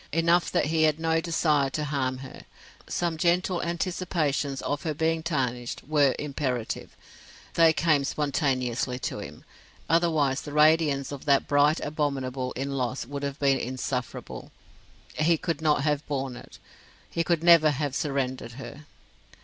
Enough that he had no desire to harm her. Some gentle anticipations of her being tarnished were imperative; they came spontaneously to him; otherwise the radiance of that bright Abominable in loss would have been insufferable; he could not have borne it; he could never have surrendered her.